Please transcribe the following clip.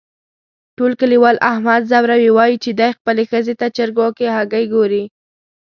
ټول کلیوال احمد ځوروي، وایي چې دی خپلې ښځې ته چرگو کې هگۍ گوري.